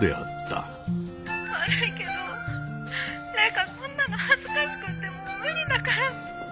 悪いけど玲香こんなの恥ずかしくてもう無理だから。